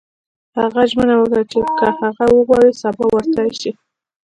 هغه ژمنه وکړه چې که هغه وغواړي سبا ورتلای شي